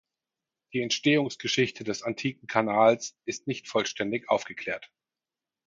Die Entstehungsgeschichte des antiken Kanals ist nicht vollständig aufgeklärt.